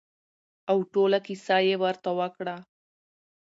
او ټوله کېسه يې ورته وکړه.